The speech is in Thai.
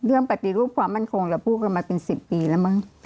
ปฏิรูปความมั่นคงเราพูดกันมาเป็น๑๐ปีแล้วมั้ง